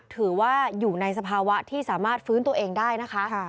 ถือว่าอยู่ในสภาวะที่สามารถฟื้นตัวเองได้นะคะ